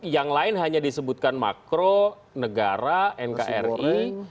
yang lain hanya disebutkan makro negara nkri